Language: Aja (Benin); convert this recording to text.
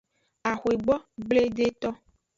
Axwegbogbledeto.